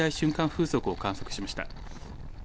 風速を観測しました。